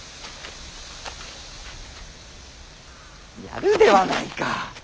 やるではないか。